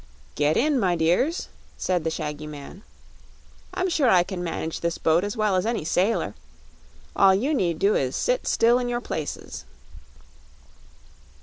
"Get in, my dears," said the shaggy man; "I'm sure I can manage this boat as well as any sailor. All you need do is sit still in your places."